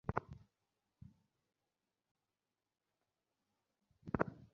এরই মধ্যে বিদেশি নাগরিক হত্যার মাধ্যমে দেশি-বিদেশি চক্র নতুন ষড়যন্ত্র শুরু করেছে।